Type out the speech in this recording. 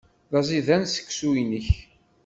D aẓidan seksu-nnek.